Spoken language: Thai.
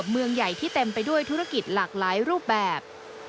เมืองใหญ่ที่เต็มไปด้วยธุรกิจหลากหลายรูปแบบ